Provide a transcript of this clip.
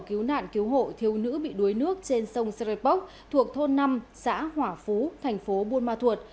cứu nạn cứu hộ thiếu nữ bị đuối nước trên sông serebok thuộc thôn năm xã hỏa phú tp bunma thuột